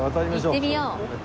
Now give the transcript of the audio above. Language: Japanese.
行ってみよう。